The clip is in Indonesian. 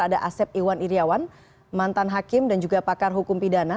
ada asep iwan iryawan mantan hakim dan juga pakar hukum pidana